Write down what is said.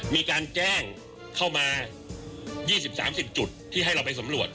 มีการแจ้งเข้ามา๒๐๓๐จุดที่ให้เราไปสำรวจ